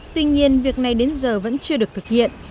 tuy nhiên việc này đến giờ vẫn chưa được thực hiện